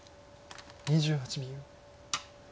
２８秒。